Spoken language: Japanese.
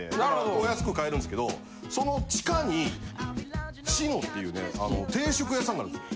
お安く買えるんですけどその地下に『志野』っていう定食屋さんがあるんです。